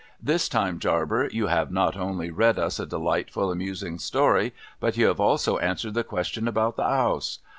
' This time, Jarbcr, you have not only read us a delightfully amusing story, but you have also answered the question about the House.